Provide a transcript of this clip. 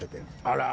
あら。